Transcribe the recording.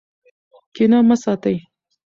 کینه مه ساتئ.